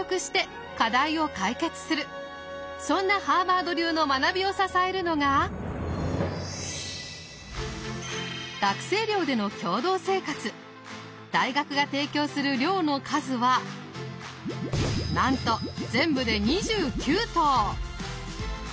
そんなハーバード流の学びを支えるのが大学が提供する寮の数はなんと全部で２９棟！